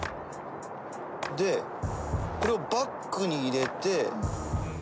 でこれをバックに入れて。